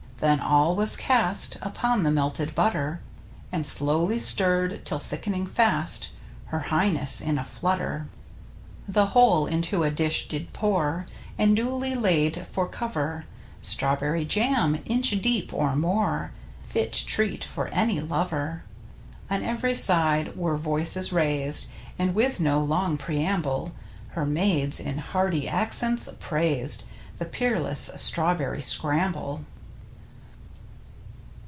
Then all was cast Upon the melted butter. And slowly stirred till, thick'ning fast, Her Highness, in a flutter. The whole into a dish did pour, And duly laid for cover Strawberrj'^ jam, inch deep, or more — Fit treat for any lover. On ev'ry side were voices raised And, with no long preamble. Her maids in hearty accents praised The peerless Strawberry Scramble.